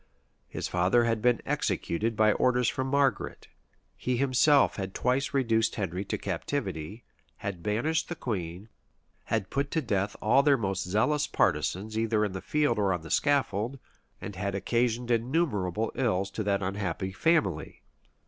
His father had been executed by orders from Margaret: he himself had twice reduced Henry to captivity, had banished the queen, had put to death all their most zealous partisans either in the field or on the scaffold, and had occasioned innumerable ills to that unhappy family.